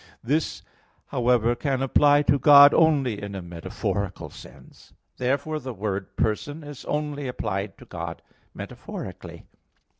This, however, can apply to God only in a metaphorical sense. Therefore the word "person" is only applied to God metaphorically.